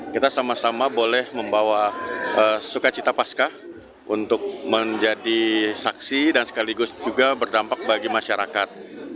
kita sama sama boleh membawa sukacita pasca untuk menjadi saksi dan sekaligus juga berdampak bagi masyarakat